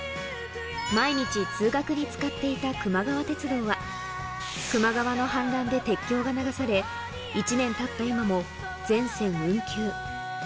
毎日通学に使っていたくま川鉄道は、球磨川の氾濫で鉄橋が流され、１年たった今も全線運休。